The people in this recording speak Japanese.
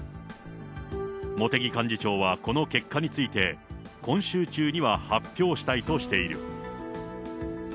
茂木幹事長はこの結果について、今週中には発表したいとしている。